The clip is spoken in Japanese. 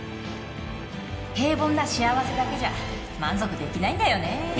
平凡な幸せだけじゃ満足できないんだよねぇ。